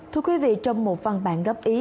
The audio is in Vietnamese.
thưa quý vị trong một văn bản góp ý